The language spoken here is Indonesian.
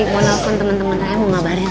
mau nelfon teman teman saya mau ngabarin